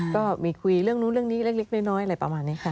ก็มีคุยเรื่องนู้นเรื่องนี้เล็กน้อยอะไรประมาณนี้ค่ะ